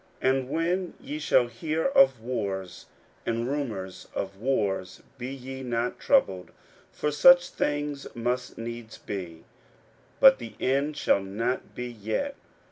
41:013:007 And when ye shall hear of wars and rumours of wars, be ye not troubled: for such things must needs be; but the end shall not be yet.